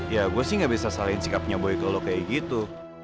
ya gua sih ga bisa salahin sikapnya boy kalau kayak gitu